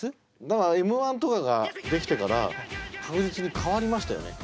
だから「Ｍ−１」とかができてから確実に変わりましたよね。